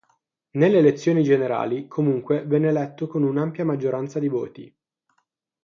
Nelle elezioni generali comunque venne eletto con un'ampia maggioranza di voti.